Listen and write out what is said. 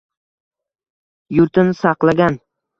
Yurtin saqlagan.